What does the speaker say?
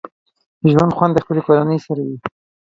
د ژوند خوند د خپلې کورنۍ سره وي